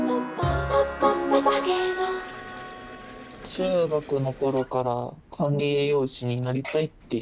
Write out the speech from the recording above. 中学の頃から管理栄養士になりたいって。